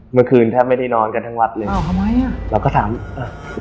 เมื่อคืนแทบไม่ได้นอนกันทั้งวัดเลยอ๋อทำไมอ่ะเราก็ถามอ่ะ